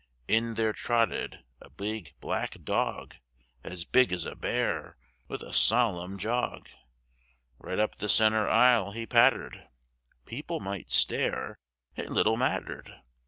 In there trotted a big black dog, As big as a bear! With a solemn jog Right up the centre aisle he pattered; People might stare, it little mattered.